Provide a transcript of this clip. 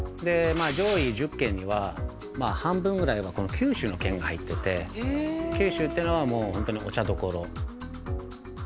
上位１０県には、半分ぐらいは九州の県が入ってて、九州ってのは、もう、お茶どころ。